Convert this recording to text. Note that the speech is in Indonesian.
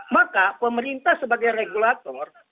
maka pemerintah sebagai regulator